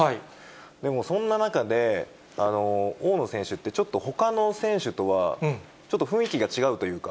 でも、そんな中で、大野選手って、ちょっとほかの選手とはちょっと雰囲気が違うというか。